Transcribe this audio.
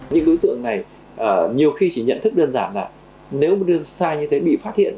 những đối tượng này nhiều khi chỉ nhận thức đơn giản là nếu sai như thế bị phát hiện